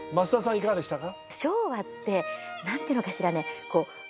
いかがでしたか？